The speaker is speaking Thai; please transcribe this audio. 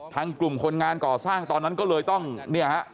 กลุ่มคนงานก่อสร้างตอนนั้นก็เลยต้องเนี่ยฮะ